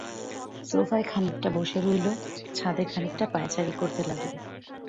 সোফায় খানিকটা বসে রইল, ছাদে খানিকটা পায়চারি করতে লাগল।